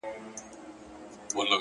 د سازو ښا ته دې جامعه الکمالات ولېږه!!